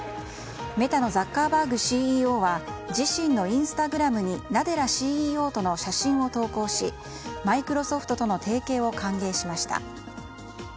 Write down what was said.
メタのザッカーバーグＣＥＯは自身のインスタグラムにナデラＣＥＯとの写真を投稿しマイクロソフトとの提携を歓迎しました。